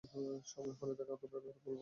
সময় হলেই তাকে তোমার ব্যাপারে বলবো।